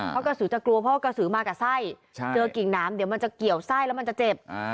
เพราะกระสือจะกลัวเพราะว่ากระสือมากับไส้เจอกิ่งหนามเดี๋ยวมันจะเกี่ยวไส้แล้วมันจะเจ็บ